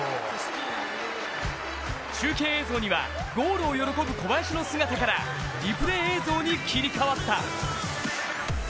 中継映像ではゴールを喜ぶ小林の姿からリプレー映像に切り替わった。